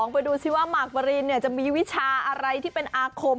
ไปดูที่ว่ามาร์คเบอร์รินจะมีวิชาอะไรที่เป็นอาคม